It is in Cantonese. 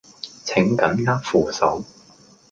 請緊握扶手